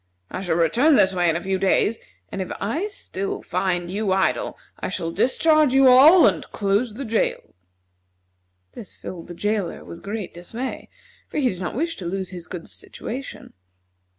I shall return this way in a few days, and if I still find you idle I shall discharge you all and close the jail." This filled the jailer with great dismay, for he did not wish to lose his good situation.